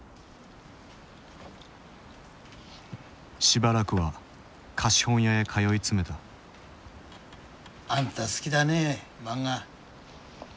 しばらくは貸本屋へ通い詰めたあんた好きだねえマンガ。